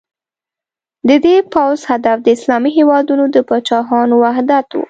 د دې پوځ هدف د اسلامي هېوادونو د پاچاهانو وحدت و.